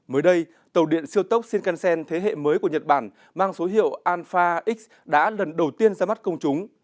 mới đây tàu điện siêu tốc shinkansen thế hệ mới của nhật bản mang số hiệu alpha x đã lần đầu tiên ra mắt công chúng